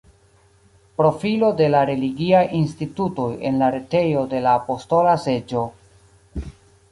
Profilo de la religiaj institutoj en la retejo de la Apostola Seĝo.